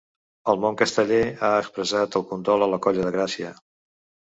El món casteller ha expressat el condol a la colla de Gràcia.